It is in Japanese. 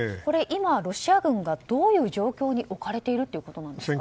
今、ロシア軍がどういう状況に置かれているということなんですか。